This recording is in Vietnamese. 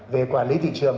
về quản lý thị trường